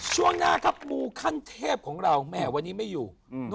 ช่วงหน้าครับมูขั้นเทพของเราแหมวันนี้ไม่อยู่